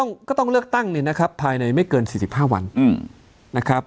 ก็ต้องเลือกตั้งเนี่ยนะครับภายในไม่เกิน๔๕วันนะครับ